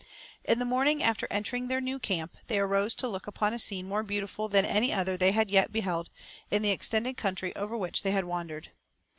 In the morning after entering their new camp, they arose to look upon a scene more beautiful than any other they had yet beheld in the extended country over which they had wandered.